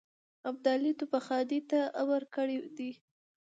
ابدالي توپخانې ته امر کړی دی.